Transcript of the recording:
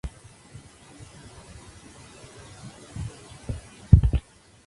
A mitad de los cincuenta conoce a Ezra Pound en el hospital de St.